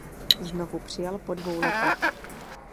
Znovu přijel po dvou letech.